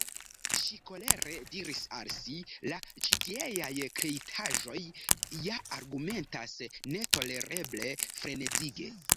Ŝi kolere diris al si:— "La ĉitieaj kreitaĵoj ja argumentas netolereble, frenezige."